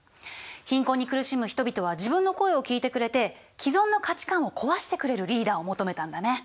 貧困に苦しむ人々は自分の声を聞いてくれて既存の価値観を壊してくれるリーダーを求めたんだね。